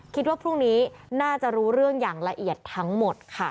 คิดว่าพรุ่งนี้น่าจะรู้เรื่องอย่างละเอียดทั้งหมดค่ะ